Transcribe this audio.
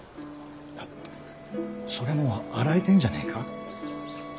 いやそれもう洗えてんじゃねえか？